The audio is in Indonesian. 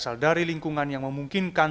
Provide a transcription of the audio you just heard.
ini bunga pokoknya melukis akar k barbar